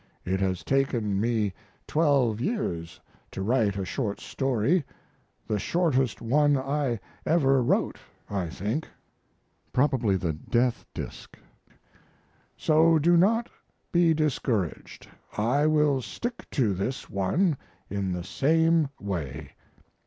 It has taken me twelve years to write a short story the shortest one I ever wrote, I think. [Probably "The Death Disk:"] So do not be discouraged; I will stick to this one in the same way.